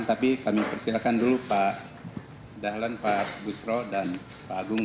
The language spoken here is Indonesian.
tapi kami persilahkan dulu pak dahlan pak busro dan pak agung